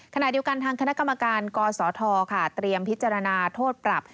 ขณะเดียวกันทางคณะกรรมการกศธค่ะเตรียมพิจารณาโทษปรับ